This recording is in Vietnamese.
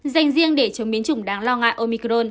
dành riêng để chống biến chủng đáng lo ngại omicron